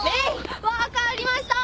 分かりました。